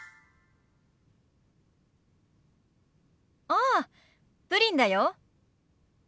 ああプリンだよ。